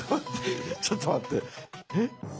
ちょっと待ってえ。